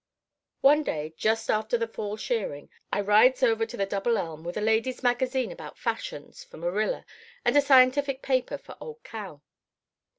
"One day just after the fall shearing I rides over to the Double Elm with a lady's magazine about fashions for Marilla and a scientific paper for old Cal.